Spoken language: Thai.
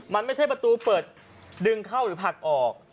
มันไม่ใช่ประตูเปิดดึงเข้าหรือผลักออก